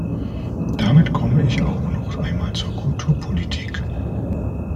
Damit komme ich auch noch einmal zur Kulturpolitik.